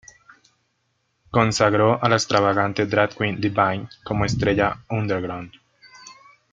Consagró a la extravagante "drag queen" Divine como estrella "underground".